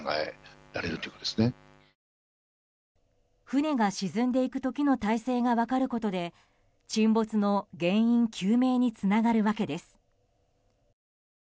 船が沈んでいく時の体勢が分かることで沈没の原因究明につながるわけです。